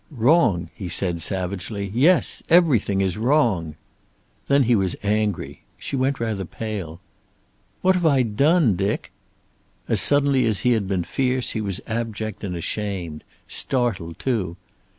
"Wrong?" he said, savagely. "Yes. Everything is wrong!" Then he was angry! She went rather pale. "What have I done, Dick?" As suddenly as he had been fierce he was abject and ashamed. Startled, too.